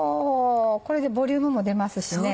これでボリュームも出ますしね。